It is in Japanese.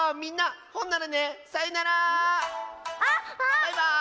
バイバーイ！